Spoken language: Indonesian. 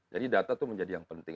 jadi data itu menjadi yang penting